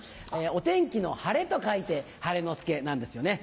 お天気の「晴れ」と書いて晴の輔なんですよね。